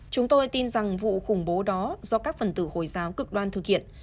chúng tôi tin rằng vụ khủng bố đó do các phần tử hồi giáo cực đoan thực hiện